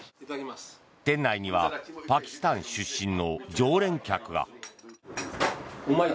店内にはパキスタン出身の常連客が。